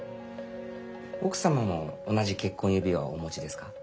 奥様も同じ結婚指輪をお持ちですか？